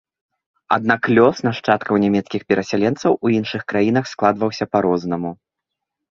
Аднак лёс нашчадкаў нямецкіх перасяленцаў у іншых краінах складваўся па-рознаму.